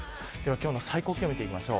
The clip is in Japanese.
今日の最高気温です。